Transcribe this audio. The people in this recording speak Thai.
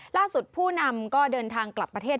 ผู้นำก็เดินทางกลับประเทศ